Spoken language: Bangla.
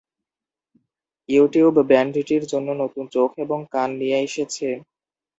ইউটিউব ব্যান্ডটির জন্য নতুন চোখ এবং কান নিয়ে এসেছে।